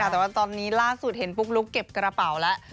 แต่ว่าตอนนี้ล่าสุดเห็นปุ๊กลุ๊กเก็บกระเป๋าแล้ว